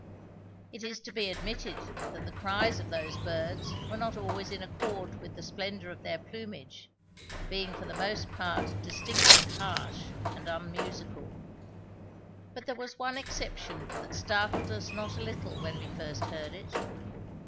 It is to be admitted that the cries of those birds were not always in accord with the splendour of their plumage, being for the most part distinctly harsh and unmusical; but there was one exception that startled us not a little when we first heard it.